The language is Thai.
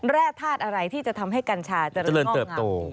แร่ธาตุอะไรที่จะทำให้กัญชาเจริญงอกงาม